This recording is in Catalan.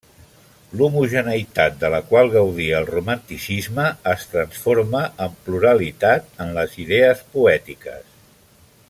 L'homogeneïtat de la qual gaudia el Romanticisme es transforma en pluralitat en les idees poètiques.